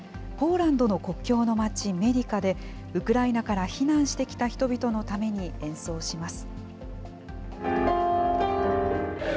ポーランドの国境の町、メディカで、ウクライナから避難してきた人々のために演奏します。